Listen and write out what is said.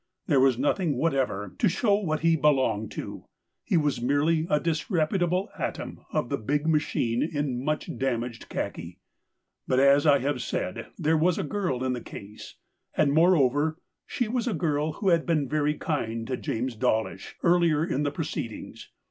There was nothing whatever to show what he be longed to ; he was merely a disreputable atom of the big machine in much damaged khaki. But, as I have said, there was a girl in the case, and moreover, she was a girl who had been very kind to James Dawlish earlier in the proceedings.